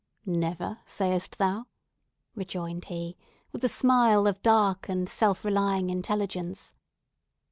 "Never, sayest thou?" rejoined he, with a smile of dark and self relying intelligence.